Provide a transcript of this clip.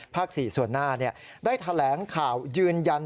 ๔ส่วนหน้าได้แถลงข่าวยืนยัน